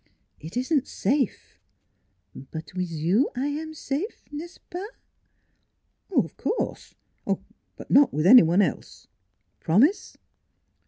" It isn't safe." " But wiz you I am safe n'est ce pas?" " Of course. But not with any one else. ... Promise